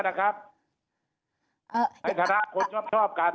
ในฐานะคนชอบกัน